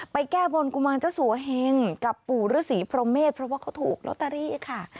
ไปแก้บนกุมวันเจ้าสัวเฮงกับปู่ฤษีโพรเมฆเพราะว่าเขาถูกโลตารีค่ะ